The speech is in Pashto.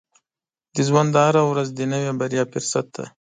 • د ژوند هره ورځ د نوې بریا فرصت دی.